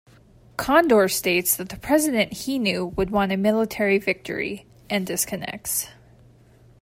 Condor states that the President he knew would want a military victory, and disconnects.